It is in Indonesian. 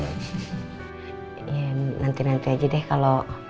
ya nanti nanti aja deh kalau